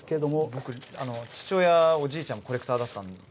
僕父親おじいちゃんもコレクターだったんで。